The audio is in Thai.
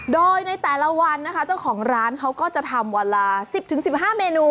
โดยในแต่ละวันนะคะเจ้าของร้านเขาก็จะทำวันละ๑๐๑๕เมนู